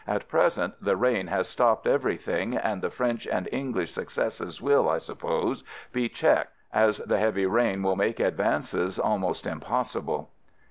At present the rain has stopped everything and the French and English successes will, I suppose, be checked, as the heavy rain will make advances almost impossible.